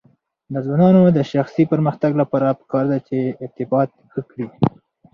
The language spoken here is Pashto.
د ځوانانو د شخصي پرمختګ لپاره پکار ده چې ارتباط ښه کړي.